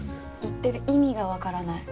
言ってる意味がわからない。